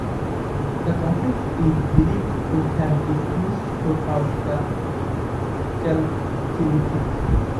The complex is believed to have been used throughout the Chalcolithic.